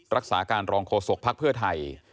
รักษาการรองโคสกพไพ